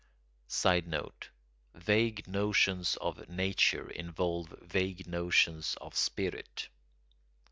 [Sidenote: Vague notions of nature involve vague notions of spirit.